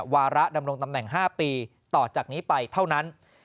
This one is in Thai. วาระดำรงตำแหน่ง๕ปีต่อจากนี้ไปเท่านั้น